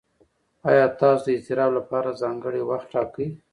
ایا تاسو د اضطراب لپاره ځانګړی وخت ټاکئ؟